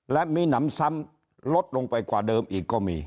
และมีหนำซ้ำลดลงไปกว่าเดิมอีกก็มี